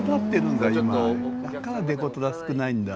だからデコトラ少ないんだ。